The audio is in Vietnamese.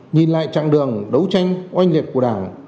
nhìn lại chặng đường đấu tranh oanh liệt của đảng